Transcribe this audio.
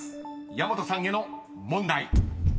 ［矢本さんへの問題］